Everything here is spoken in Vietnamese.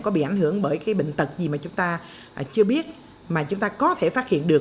có bị ảnh hưởng bởi cái bệnh tật gì mà chúng ta chưa biết mà chúng ta có thể phát hiện được